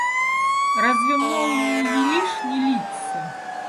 Разве молнии велишь не литься?